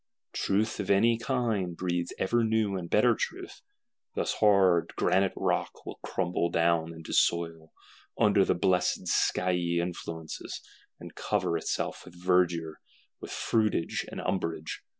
Truth of any kind breeds ever new and better truth; thus hard granite rock will crumble down into soil, under the blessed skyey influences; and cover itself with verdure, with fruitage and umbrage.